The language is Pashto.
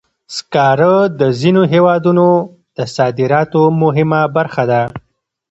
سکاره د ځینو هېوادونو د صادراتو مهمه برخه ده.